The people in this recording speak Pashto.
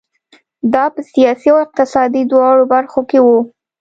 دا په سیاسي او اقتصادي دواړو برخو کې وو.